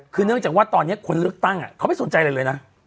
คือเนื่องจากว่าตอนนี้คนเลือกตั้งเขาไม่สนใจอะไรเลยนะ